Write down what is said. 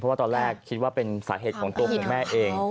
ว่าตอนแรกคิดว่าเป็นสาเหตุของตัวของแม่เอง